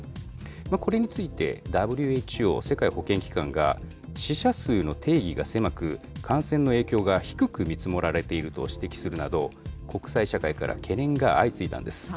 これについてＷＨＯ・世界保健機関は、死者数の定義が狭く、感染の影響が低く見積もられていると指摘するなど、国際社会から懸念が相次いだんです。